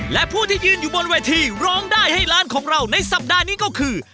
และผู้ที่ยืนอยู่บนเวทีร้องได้ให้ล้านของเราในสัปดาห์นี้ก็คือ